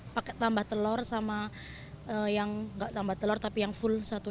pakai tambah telur sama yang nggak tambah telur tapi yang full satu